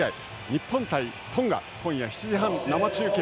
日本対トンガ、今夜７時半生中継。